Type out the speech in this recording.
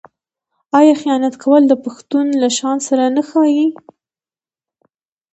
آیا خیانت کول د پښتون له شان سره نه ښايي؟